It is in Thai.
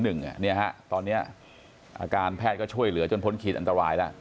เนี่ยฮะตอนนี้อาการแพทย์ก็ช่วยเหลือจนพ้นขีดอันตรายแล้ว